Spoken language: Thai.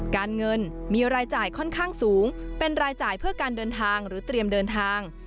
การเงินมีรายจ่ายค่อนข้างสูงเป็นรายจ่ายเพื่อการเดินทางหรือเตรียมเดินทาง